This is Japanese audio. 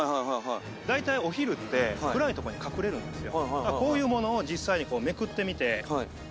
大体お昼って暗い所に隠れるんですよ。